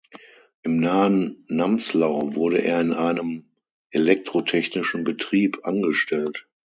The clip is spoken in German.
Im nahen Namslau wurde er in einem elektrotechnischen Betrieb angestellt.